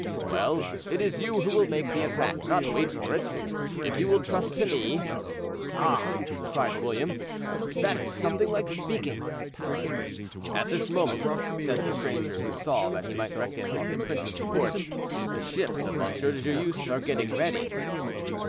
"Well, it is you who will make the attack, not wait for it, if you will trust to me."—"Ah!" cried William, "that is something like speaking." "At this moment," said the stranger, who saw that he might reckon on the prince's support, "the ships of M. de Joyeuse are getting ready."